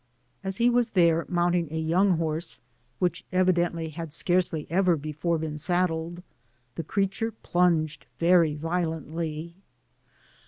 As he was there mounting a young horse,, which evidently had scarcely ever before been saddled, the creature plunged very violently.